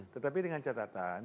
tetapi dengan catatan